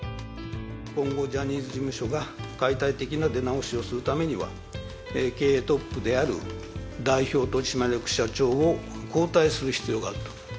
今後、ジャニーズ事務所が解体的な出直しをするためには、経営トップである代表取締役社長を交代する必要があると。